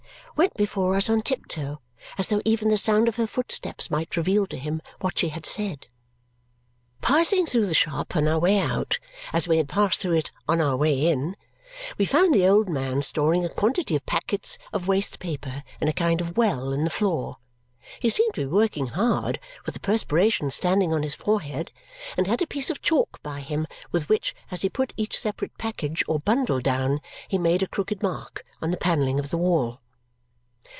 went before us on tiptoe as though even the sound of her footsteps might reveal to him what she had said. Passing through the shop on our way out, as we had passed through it on our way in, we found the old man storing a quantity of packets of waste paper in a kind of well in the floor. He seemed to be working hard, with the perspiration standing on his forehead, and had a piece of chalk by him, with which, as he put each separate package or bundle down, he made a crooked mark on the panelling of the wall.